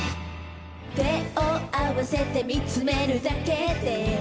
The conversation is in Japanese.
「手を合せて見つめるだけで」